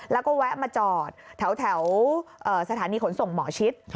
แล้วก็แวะมาจอดแถวสถานีขนส่งหมอชิด